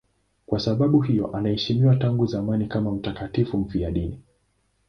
Kwa sababu hiyo anaheshimiwa tangu zamani kama mtakatifu mfiadini.